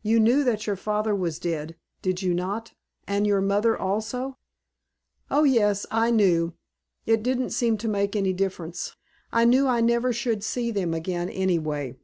You knew that your father was dead, did you not? And your mother also?" "Oh yes, I knew. It didn't seem to make any difference. I knew I never should see them again anyhow."